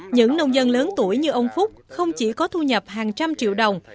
những nông dân lớn tuổi như ông phúc không chỉ có thu nhập hàng trăm triệu đồng